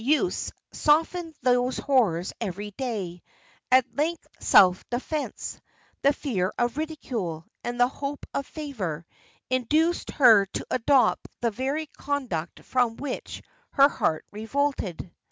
Use softened those horrors every day; at length self defence, the fear of ridicule, and the hope of favour, induced her to adopt that very conduct from which her heart revolted.